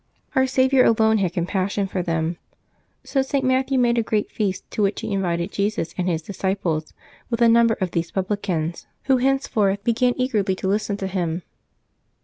Our Saviour alone had compassion for them. So St. Matthew made a great feast, to which he invited Jesus and His disciples, with a number of these publicans, who henceforth began 330 LIVES OF THE SAINTS [September 22 eagerly to listen to Him.